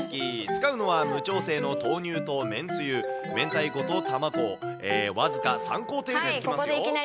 使うのは無調整の豆乳とめんつゆ、明太子と卵、僅か３工程でできま